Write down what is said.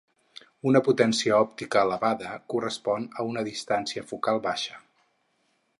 Una potència òptica elevada correspon a una distància focal baixa.